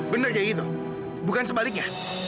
bener jadi itu bukan sebaliknya